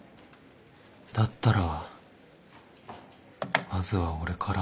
だったらまずは俺から